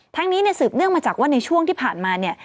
ทั้งนี้สืบเนื่องมาจากว่าในช่วงที่ผ่านมา